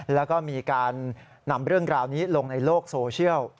แล้วก็มีการนำเรื่องราวนี้ลงในโลกโซเชียล